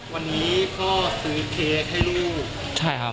วันนี้พ่อซื้อเค้กให้ลูกใช่ครับ